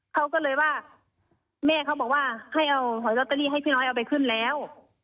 เขาก็เลยว่าแม่เขาบอกว่าให้เอาหอยลอตเตอรี่ให้พี่น้อยเอาไปขึ้นแล้ว